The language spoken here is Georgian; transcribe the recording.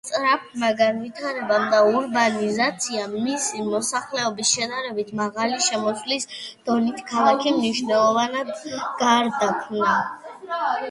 სწრაფმა განვითარებამ და ურბანიზაციამ, მისი მოსახლეობის შედარებით მაღალი შემოსავლის დონით, ქალაქი მნიშვნელოვნად გარდაქმნა.